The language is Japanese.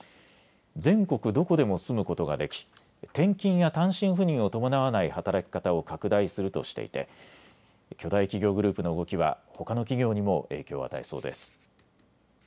全国どこでも住むことができ転勤や単身赴任を伴わない働き方を拡大するとしていて巨大企業グループの動きはほかの企業にも影響を与えそうです。